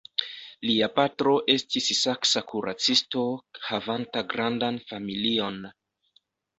Lia patro estis saksa kuracisto havanta grandan familion.